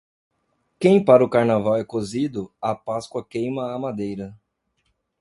Quem para o Carnaval é cozido, a Páscoa queima a madeira.